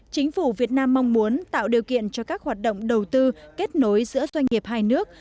chính phủ việt nam mong muốn tạo điều kiện cho các hoạt động đầu tư kết nối giữa doanh nghiệp hai nước